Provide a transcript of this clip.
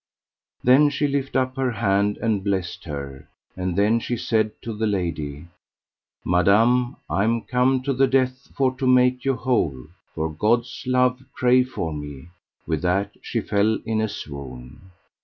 Then she lift up her hand and blessed her; and then she said to the lady: Madam, I am come to the death for to make you whole, for God's love pray for me. With that she fell in a swoon.